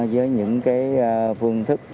với những phương thức